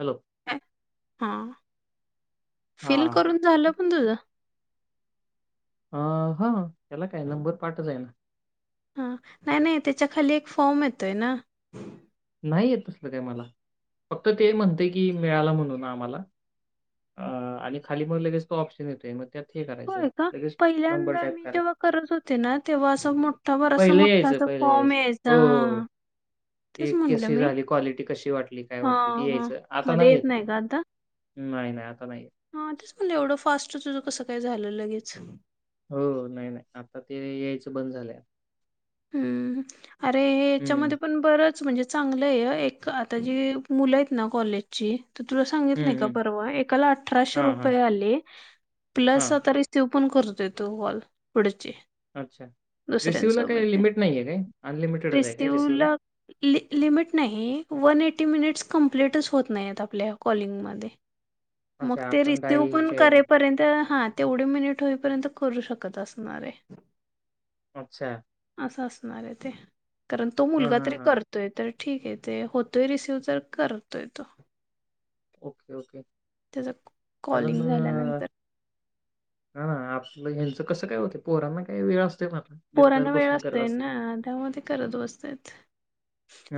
Hello [inaudible] हा हा fill करून झाल पण तुझं. अ हा त्याला काय नंबर पाठवला आहे ना. हा नाही नाही त्याच्या खाली एक फॉर्म येतोय ना. नाहीय दुसर काय मला फक्त ते म्हणते की मिळाला म्हणून आम्हाला. अ आणि खाली मग लगेच त ऑप्शन येतोय मग त्यात. हे करायचं होय का लगेच नंबर पहिल्यांदा टाईप मी करायचं जेव्हा करत होते ना तेव्हा अस मोठा बरस पहिले मोठा फॉर्म यायचा हा. [inaudible] एक कशी झाली क्वालिटी कशी वाटली काय वाटली ती हां, हां. यायचं आता मध्ये नाही येत ते. नाही, नाही. नाही येत. हा तेच म्हणलं एवढं फास्ट तुझ कसं काय झालं लगेच. हो नाही नाही आता ते यायचं बंद झालं. हम्म अरे हम्म याच्यामध्ये पण बरच म्हणजे. चांगलं आहे एक आता जी मुलं आहेत ना कॉलेजची. तुला सांगित नाही हम्म का हम्म परवा एकाला अठराशे हां हां रुपये आले प्लस हां आता रस पण करत तू कॉल पुढची. अच्छा रिसिव्हला काही दुसऱ्यांसोबत लिमिट नाही आहे काय अनलिमिटेडच आहे काय रिसिव रिसिव्हला ला लिमिट नाही वन एटी मिनिट्स कमप्लीटच होत नाही आहेत आपल्या कॉलिंगमध्ये मग अच्छा ते आपण रिसिव पण राहिलीच्या ह्याच्यामध्ये कररापर्यंत हा तेवढी मिनिट होईपर्यंत करू शकत असणारे अच्छा अस ते कारण तो हां, मुलगा हां, तरी हां. करतोय तर ठीक आहे ते होतोय रिसिव तर करतोय तो ओके ओके त्याचा कारण कॉलिंग ह झाल्यानंतर ना आपलंच कसं काय होते पोरांना का वेळ असते म पोरांना वेळ असतेय ना त्यामध्ये करत बसते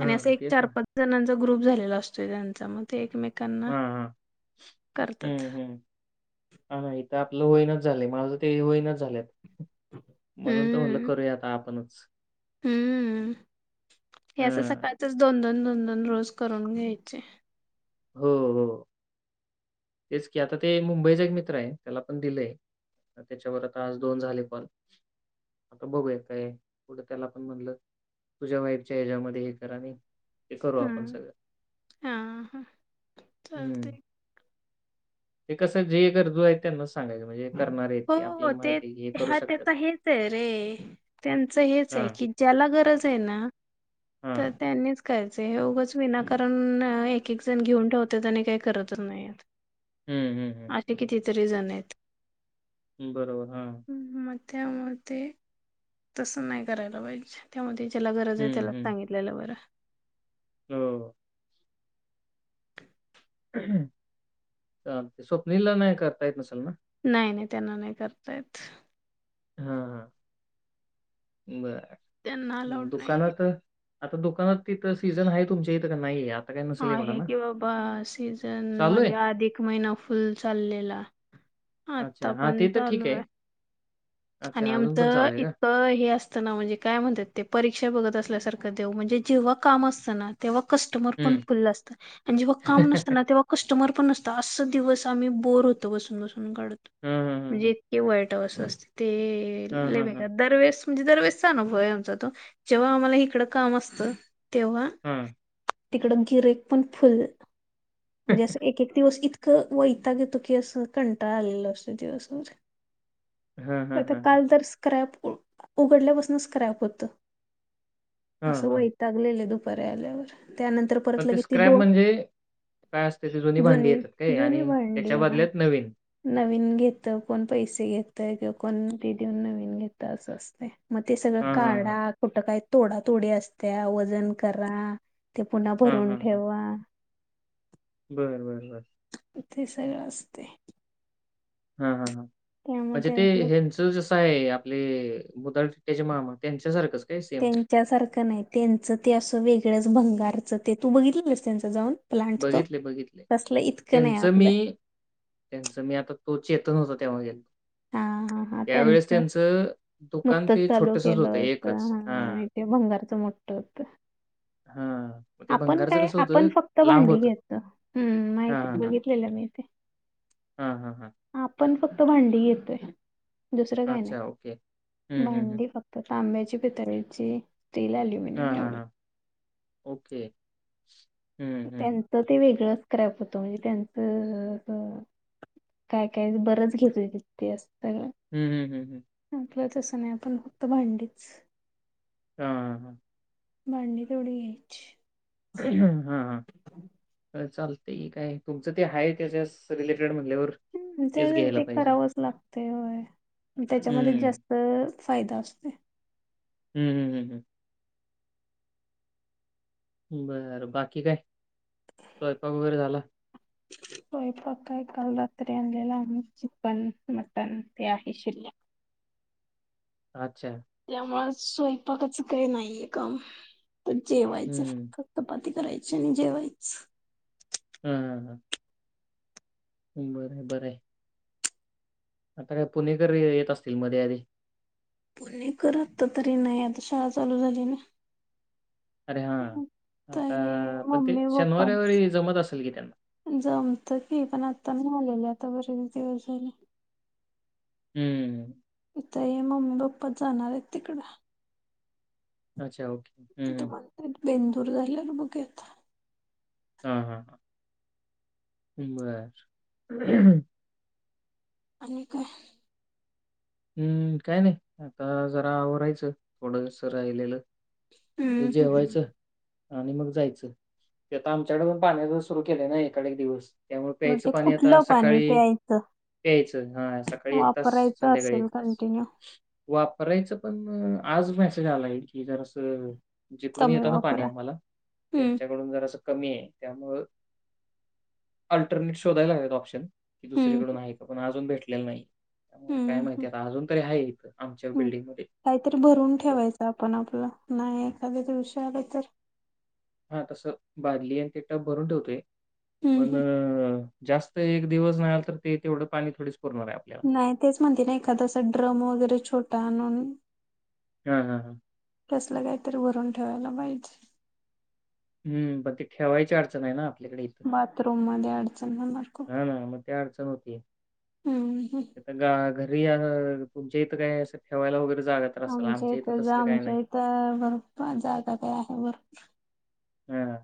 आणि असं एक तेच चार ना. पाच जणांचा ग्रुप झालेला असतो त्यांच्या म ते एकमेकांना हां, हां. करतात लं होईनाच झाले माझं ते होईनाच झाल्यात म्हणून तर म्हटलं हम्म. करूया आता आपणच हम्म हे असं हां. सकाळचच दोन दोन रोज करून घ्यायचे हो हो तेच की आता ते मुंबईचा एक मित्र आहे त्याला पण दिलंय त्याच्यावर आता आज दोन झाले पल आता बघूया काय कढं त्याला पण म्हणलं तुझ्या वाईफच्या ह्याच्यामध्ये हे करा नाही हे करू आपण हं. सगळं हां, हां. हम्म चालतंय. ते कसं जे गरजू आहे त्यांना सांगायचं म्हणजे करणार हो ते ह त्याचा हेच आहे रे त्यांच हेच आहे हां, की ज्याला गरज आहे ना तर हां. त्यांनीच कायच हेगच विना कारण एक एक जण घेऊन ठेवते आणि काही करतच नाहीत हं, हं, असे कितीतरी जण आहेत बरोबर हा त्यामध्ये तस नाही करायला पाहिजे त्यामध्ये त्याला गरज आहे हं, त्याला हं. सांगितलेलं बरं हो हम् चचा स्वप्नीला नाहीय कातायत मसल ना नाही नाही त्यांना नाही करता येत बर त्यांना अलाउड नाहीये. दुकानात आता दुकानात तिथं सीझन आहे तुमच्या इथं का नाही यात आहे कि बाबा सीझन चालू आहे? मध्ये आधिक महिना फुल चाललेला. अच्छा. आता हां, पण ते तर ठीक चालू आहे. आणि अच्छा अजून पण आमचं चालू आहे का? इतकं हे असतना म्हंजे काय म्हणतात ते परीक्षा बघत अस असल्या सारख म्हंजे देव जेवा काम असताना तेव्हां कस्टमर पण हं. फुलं असतं अन जेव्हा काम नसत ना तेव्हा कस्टमर पण नसत अस दिवस आम्ही बोर होतो बसून बसून काढतो हं, हं, हं, म्हणजे हं. इतके वाईट त अस असते ते हां, लै हां, बेक्कार हां. दरवेळेस म्हणजे दरवेळेसचा अनुभव आहे आमचा तो, जेव्हा आम्हाला हिकडं काम असतं तेव्हा हां. तिकड गिराईक पण फुल म्हणजे असं एक एक दिवस इत वैताग येतो की असं कंटाळा आलेला असतो दिवसभर. हां, हां, आता हां, हां. काल तर स्क्रॅप उघडल्यापासून स्क्रॅप होत. हां, असं हां. वैतागलेले दुपारी आल्यावर त्यानंतर पण परत ते लगेच ती स्क्रॅप दोन म्हणजे? काय असतेची जुनी भांडी येतात, काय जुनी आणि त्याच्या भांडी हा बदल्यात नवीन. नवीन घेत कोण पैसे घेत ते कि कोण ते देऊन नवीन घेत असं असतंय, मगं ते सगळं हां, हां, हां. काढा कुठं काही तोडातोडी असत्या वजन करा ते पुन्हा भरून ठेवा. बर बर बर. इ तेे सगळं असते. हा. हा. हा. म्हणजे त्यामध्ये ते आपलं हेंच जस [unintelligible] आपले बधळ्याचे मामा त्यांच्यासारखंच. काय सेम? तेच्यासारखं नाही त्यांचं ते असं वेगळंच भंगारच ते तू बघितलंस त्यांचं जाऊन प्लांट तो बघितले बघितले तसलं इतकं नाही त्यांचं आपलं मी त्यांचं मी आता तो चेतन होता त्या मध्ये हा हा त्यांच नुकतच ते चालू छोटंसंच केलं होतं होत ह, एकच. हां, आणि ते भंगारच मोठ [unintelligible] [inaudible] हा मग ते बंघांरचं कसं होतं फक्त लांब भांडी होतं. घेत, हम् हां, हां, माहिती हां. बघितलेलं मी, हां, हां, हां. आपण फक् भांडी येतोय दुसर का नाही, अच्छा ओके. हं, हं, हं. भांडी फक्त तांब्याची [unintelligible] स्टील अल्युमिनियम हां, हां, एवढंच. हां. ओके. हं, हं. त्यांचं ते वेगळंच क्रॅप होतं म्हणजे त्यांचं काय काय बरंच घेतय त ते असतं न. हम्म हम्म हम्म हम्म. [unintelligible] असं नाही आपण फक्त भांडीच हां. मांडी तोड घ्यायची. चालते काय तुमचं ते आहे त्याच्यास रिलेटेड म त्या ते करावंच लागतय वय त्याच्यामध्ये हं. जास्त फायदा असतय. हम्म हम्म हम्म हम्म. बरं बाकी काय स्वयंपाक वगैरे झाला? स्वयपाक काय काल रात्री आणलेला आमी चिकन मटन ते आहे शिल्लक. अच्छा. त्यामुळे स्वयंपाकाच काही नाहीये काम त जेवायचं हं. फक्तं. ती करायची आणि जेवायच. हम्म हम्म हम्म. बर, बरं. आता काय पुणेकर येत असतील मध्ये अधे. पुणे कर आता तर नाही ना आता शाळा चालू झाली ना. अरे हा हम्म. तर आता हे पण ते मम्मी शनिवार पप्पाच रविवारी जमत असेल कि त्यांना जमत की पण आता मी आलेले आता बरेच दिवस झाले हम्म ता हे मम्मी पप्पा जाणार आहेत तिकडं अच्छा ओके हं, आता हं. म्हणत्यात बेंदूर झाल्यावर बघूया हा हा ह बर आणि काय हम्म काय नाही आता आवरायचं थोडं राहिलेलं जे हम्म जेवायचं हम् आणि मग जायचं ते आता आमच्याकडे पण पाण्याच सुरु केले नाही एकाड एक दिवस त्यामुळे मग प्यायचं ते पाणी आता कुठलं पाणी सकाळी प्यायचं प्यायचं हा सकाळी एक तास वापरायचं संध्याकाळी असेल तास कंटिन्यू वापरायचं पण आज मेसेज आला आहे कि जर असं जिकडून कमी येतं ना पाणी वापरा आम्हाला हम्म त्यांच्याकडून जर असं कमी आहे त्यामुळे अल्टरनेट शोधायला लागत ऑप्शन की हम्म दुसरीकडून आहे का पण अजून भेटलेलं नाही त्यामुळे काय माहिती आता अजून तरी आहे इथं आमच्या ह् बिल्डिंगमध्ये काहीतरी भरून पण ठेवायचं आपण आपलं नाही एखाद्या दिवशी आलं तर हा तस बादली आणि ते टप भरून ठेवतोय हम्म पण हम्म जास्त एक दिवस नाही तर ते तेवढं पाणी थोडीच पुरणार आहे आपल्याला. नाही तेच म्हणते ना एखादा ड्रम वगैरे छोटा आणून हम् हम् हम कसलं काहीतरी भरून ठेवायला पाहिजे हम् पण ते ठेवायची अडचण आहे ना य बाथरूम मध्ये अडचण होणार खूप ह ना मग त्या अडचण हो हम्म हम् रि तुमच्या इथं काय असं ठेवायला वगैरे जागा तर असेल, आमच्या इथ इथं जा तसलं काही आमच्या नाही. इथं बरर जागा काय आहे भरपूर हम्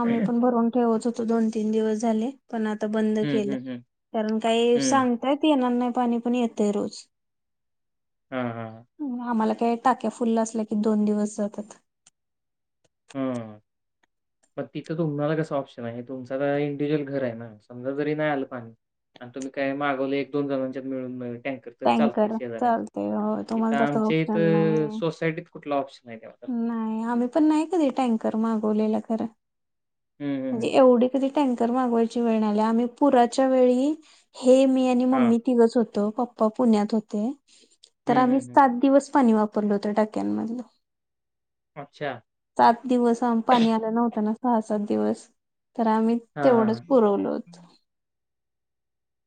आम्ही पण भरवून ठेवत होतो दोन तीन दिवस झाले पण आता बंद हं, केलं हं, हं. कारण काही हं. सांगतायत येणार नाही पाणी पण येतेय रोज हां, हां, हां. आम्हाला ्या टाक्या फुलल्य असल्या की दोन दिवस जातात हम्म मग तिथं तुम्हाला कसं ऑप्शन आहे तुमचा तर इंडिव्हिज्युअल घर आहे ना समजा जरी नाही आलं पाणी आणि तुम्ही काय मागवले एक दोन जणांच्यात मिळून मिळेल टँकर तरी चालतय टँकर शेजऱ्यांचे चालतय हो इथ तुम्हाला तसं आमच्या इथ ऑप्शन नाही सोसायटीत कुठला ऑप्शन आहे तेव्हा तर. नाही आम्ही पण नाही कधी टँकर मागवलेलं खरं हं, हं, म्हणजे हं. एवढी कधी टँकर मागवायची वेळ नाही आली आम्ही पुराच्या वेळी हे मी आणि हां. मम्मी तिघच होतो होतो पुण्यात होते तर हं, हं, आम्ही हं. सात दिवस पाणी वापरलं होतं टाक्यांमधलं अच्छा. सात दिवस पाणी आलं नव्हता ना सहा सात दिवस तर आम्ही हां, हां, तेवढंच हां. पुरवल होत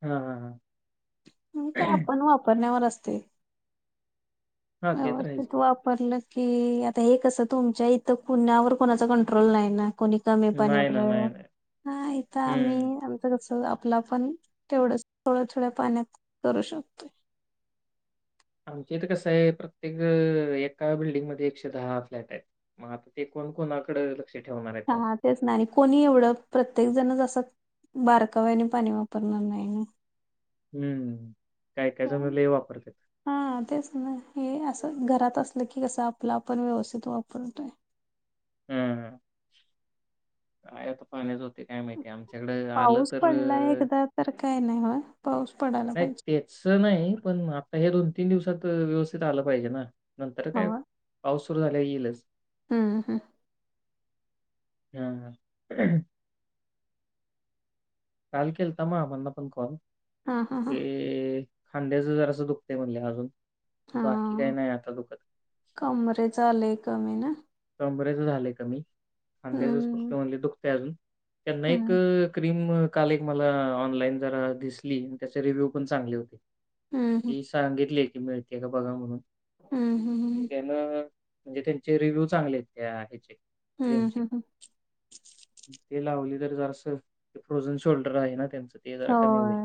हम हम हम म ते आपण वापरण्यावर असतय हां, ते तर आहेच. व्यवस्थित वापरल कि आता हे कसं तुमच्या इथं कुणावर कुणाचा कंट्रोल नाही ना कोणी कमी पाणी नाही ना, वगैरे नाही, नाही. हा इथं आम्ही हं. आमचं कस आपल आपण तेवढं थोड्या थोड्या पाण्यात करू शकतो आमचे इथ कसं आहे प्रत्येक एका बिल्डिंगमध्येध्ये एकशे दहा फ्लॅट आहेत मग आता ते कोण कोणाकड हा तेच नाही कोणी एवढं प्रत्येक ण बारकाव्याने पाणी वापरणार नाही ना हम्म काय काय त्या- जणलं हे वापरतेत हा तेच ना हे घरात असलं की कस आपलं आपण व्यवस्थित वापरतोय हम्म काय आता पाण्याच होते काय माहिती आमच्याकडं आलं पाऊस तर पडलाय एकदा तर काय नाही होय पाऊस पडायला नाही पाहिजे. तेच नाही पण आता हे दोन तीन दिवसात व्यवस्थित आलं पाहिजे ना नंतर काय होय. पाऊस सुरू झाला येईलच हम्म हम्म हम् काचाल केलता मग आपणना पण कॉल हा हा हा ते खांद्याचं जरा असं दुखते म्हणले अजून हा बाकी काही नाही आता दुकद कमरेच लय कमी ना. र झालंय कमी खांद्याच हम्म फक्त म्हणले दुखतय अजून त्यांना एक हम्म क्रीम काल एक मला ऑनलाईन जरा दिसली त्याचे रिव्ह्यू पण चांगले होते हम्म ती सांगितली की मिळते का बघा म्हणून हम्म हम्म त्यान म्हणजे त्यांचे रिव्ह्यू चांगले आहेत त्या ह्याचे हम्म क्रीमचे हम्म ते लावली तर जरस फ्रोजन शोल्डर आहे ना त्यांचं ते जरा हो कमी होईल.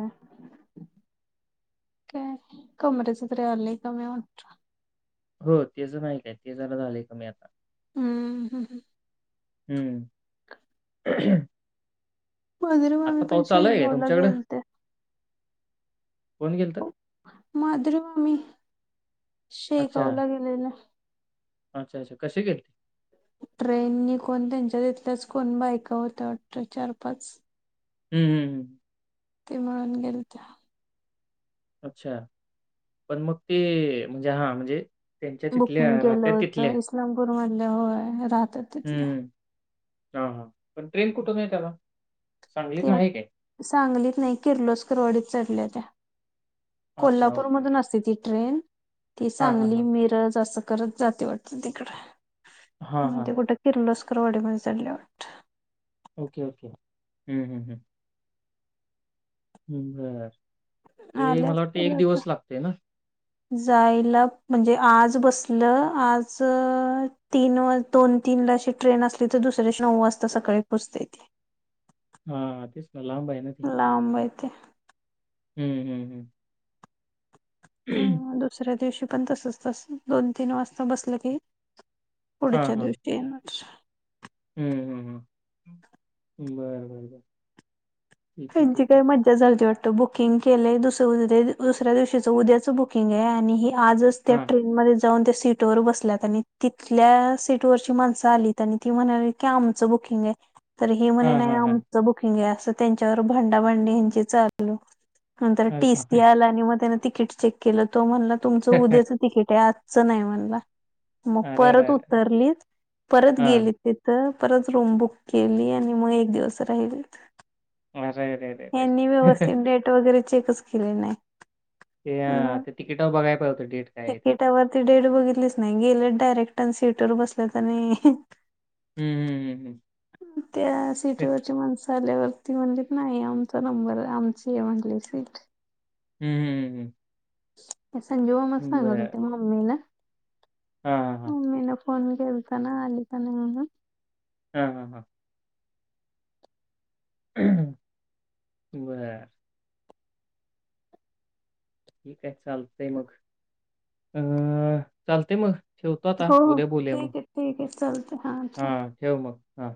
कमरेच तररयाले कम हो तेच नाही काय ते जरा झाले कमीी आता हम्म हम्म हम्म हम्म मधुरम आम्ही आता पण पाऊस चालाय आहे शेगावला तुमच्याकड गेलते. कोण गेल तर माधरवा ममी अच्छा. शेगावला गेलेलं अच्छा अच्छा कशी गेलेती ट्रेन कोण त्यांच्या तथल्याच कोण बायका होत्या वाटत चार पाच हम्म हम्म हम् ते म्हणून गेल त्या अच्छा पण मग ते म्हणजे हा म्हणजे त्यांच्या तिथल्या बुकिंग केलं राहत्या तिथल्या. होत इस्लामपूर मधले होय राहत तिथलं हा हा पण ट्रेन कुठच आहे त्याला सांगलीतनं त्या आहे काय? सांगलीत नाही किर्लोस्करवडीत चढल्या त्या अच्छा, कोल्हापूर ओके. मधून असते ती ट्रेन ती हां, हां, सांगली हां. मिरज अस जात वा तडेग हां, हां, हां. कुठ कि ककवडीमध्ये सलेट ओके ओके हम्म हम्म हम् हम्म बर वाटतं ते आले मला वाटतें असतील एक आता दिवस लागते ना जायला म्हणजे आज बसलं आज तीन दोन तीन ट्रेन असली तर दुसऱ्याशी नऊ वाजता सकाळी पोचतेेते हा तेच का लांब आहे ओके हम्म हम्म हम्म अम् दुसऱ्या दिवशी पण तसच तस दोन तीन वाजता बसलं की पुढच्या दिवशी येनच हम्म हम्म हम बर बर बर त्यांची काय मज्जा झाली जेवट बुकिंग केलंय दुस उद्या दुसऱ्या दिवशीच उद्याच बुकिंग आहे आणि आजच त्या हां. ट्रेन म जाऊन त्या सीट ववर बसल्यात आणि तिथल्या सीटवरची माणसं आलीत आणि ती म्हणाली की आमचं ब खिंगे तर हे म्हणे हां, नाही हां, हां. आमचं बुकिंग आहे असं त्यांच्यावर भांडाभांडी यांची चाललू नंतर अरे टीसी बापरे! आला आणि मग त्याने तिकीट चेक केलं त म्हणलं तुमचं उद्याचं तिकीट आहे आ नाही म्हणला मग परत अरेरेरे! उतरली परत गेली हां. तिथं परत रूम बुक केली आणि मग एक दिवस राहिली अरेरेरे! यांनीनी व्यवस्थित डेट वगैरे चेकच केले नाही ते ह मग ते तिकिट बघाय प होतं डेट काय आहे ते तिकिटावरती डेट बघितलीच नाही गेले डायरेक्ट सीटवर बसले आणि हम्म हम् हम् हम् त्या सिटीवररची माणस झाल्यावरती म्हणज नाही आमचा नंबर आमची आहे म्हगली सीट हम्म हम् हम् हम् संजीवा म सांगत होते मम्मीला हा हा हा मम्मीन फोन केलताना आली का नाही म्हणून हा हा हा बर ठीक आहे चाल ते मग अं चाल ते मग ठेवतात आ हो हो उद्या बोलले मग ठीक आहे ठीक आहे चालतंय हा ठेव मग हा